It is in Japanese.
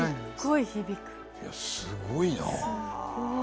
いやすごいな。